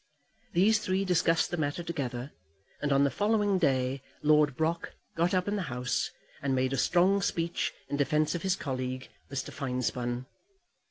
These three discussed the matter together, and on the following day Lord Brock got up in the House, and made a strong speech in defence of his colleague, Mr. Finespun.